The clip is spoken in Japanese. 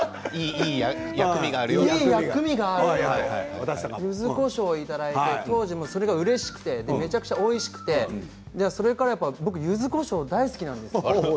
いい薬味があるよってゆずこしょうをいただいて当時それがうれしくてめちゃくちゃおいしくてそれ以来ゆずこしょうが大好きなんですよ。